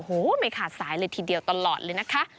โอ้โหไม่ขาดสายเลยทีเดียวตลอดเลยนะคะ